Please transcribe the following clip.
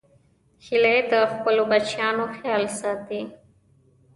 هیلۍ د خپلو بچیانو خیال ساتي